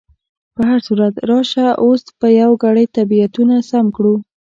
په هر صورت، راشه اوس به یو ګړی طبیعتونه سم کړو.